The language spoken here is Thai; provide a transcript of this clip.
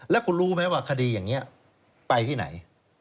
แล้วคุณรู้ไหมว่าคดีอย่างนี้ไปที่ไหน